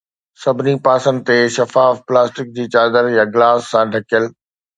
سڀني پاسن تي شفاف پلاسٽڪ جي چادر يا گلاس سان ڍڪيل